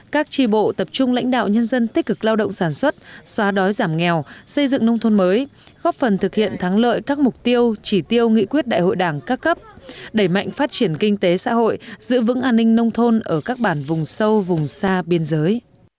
các tri bộ tập trung lãnh đạo nhân dân tích cực lao động sản xuất xóa đói giảm nghèo xây dựng nông thôn mới góp phần thực hiện thắng lợi các mục tiêu chỉ tiêu nghị quyết đại hội đảng các cấp đẩy mạnh phát triển kinh tế xã hội giữ vững an ninh nông thôn ở các bản vùng sâu vùng xa biên giới